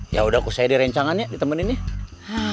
ya udah aku saya direncangannya ditemenin ya